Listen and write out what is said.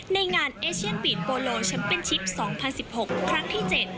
ในงานเอเชียนบีนโปโลชัมเป็นชิป๒๐๑๖ครั้งที่๗